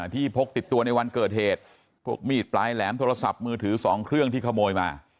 พกติดตัวในวันเกิดเหตุพวกมีดปลายแหลมโทรศัพท์มือถือ๒เครื่องที่ขโมยมา